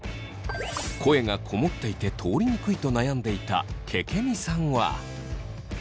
声がこもっていて通りにくいと悩んでいたけけみさんは。